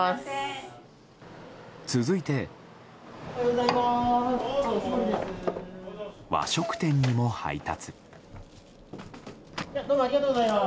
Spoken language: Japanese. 続いて、和食店にも配達。